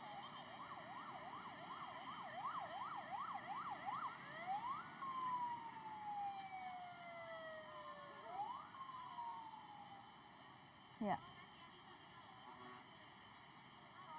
baru saja terjadi bentrokan antara sekelompok pengendara gojek dengan sekelompok supir taksi